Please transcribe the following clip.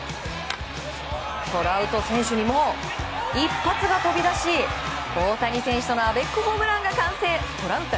トラウト選手にも一発が飛び出し大谷選手とのアベックホームランが完成。